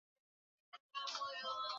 Kurundika mifugo sehemu moja